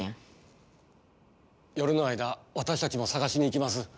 夜の間わたしたちもさがしに行きます。